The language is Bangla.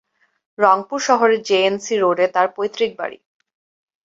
রংপুর শহরের জে এন সি রোডে তার পৈতৃক বাড়ি।